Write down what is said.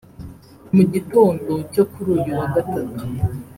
Mu gitondo cyo kuri uyu wa Gatatu